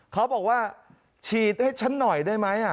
เขาบอกว่าฉีดให้ฉันหน่อยได้ไหม